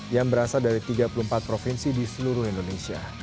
yang berasal dari tiga puluh empat provinsi di seluruh indonesia